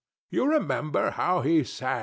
You remember how he sang?